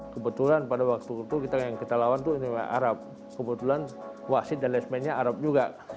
kebetulan pada waktu itu yang kita lawan itu arab kebetulan wasid dan last man nya arab juga